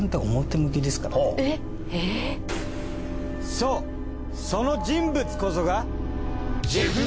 そうその人物こそが。